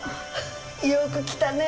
よく来たね。